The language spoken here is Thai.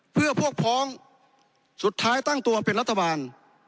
เพื่อพวกพ้องสุดท้ายตั้งตัวเป็นรัฐบาล